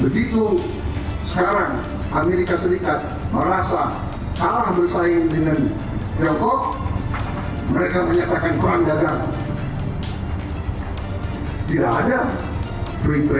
begitu sekarang amerika serikat merasa